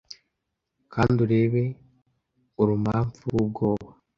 kandi urebe urumamfu rw'ubwoba